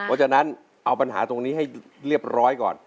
เพราะฉะนั้นเอาปัญหาตรงนี้ให้เรียบร้อยก่อน